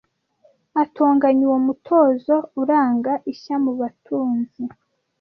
Atonganya uwo mutozo Uranga ishya mu batunzi